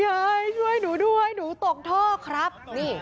ยายช่วยหนูด้วยหนูตกท่อครับนี่